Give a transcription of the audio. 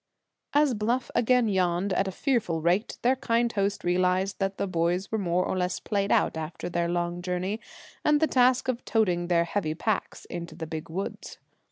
As Bluff again yawned at a fearful rate their kind host realized that the boys were more or less played out after their long journey, and the task of "toting" their heavy packs into the Big Woods.